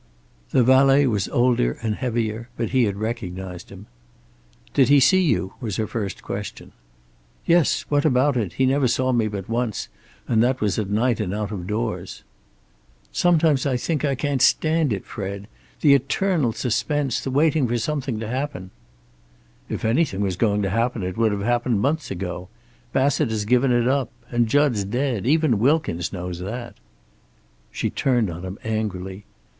The valet was older and heavier, but he had recognized him. "Did he see you?" was her first question. "Yes. What about it? He never saw me but once, and that was at night and out of doors." "Sometimes I think I can't stand it, Fred. The eternal suspense, the waiting for something to happen." "If anything was going to happen it would have happened months ago. Bassett has given it up. And Jud's dead. Even Wilkins knows that." She turned on him angrily.